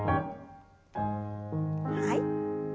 はい。